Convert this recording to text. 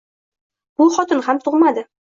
Bu xotin ham tug‘madi